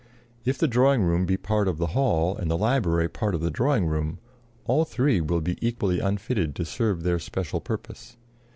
If the drawing room be a part of the hall and the library a part of the drawing room, all three will be equally unfitted to serve their special purpose.